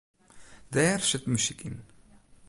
Dêr sit muzyk yn.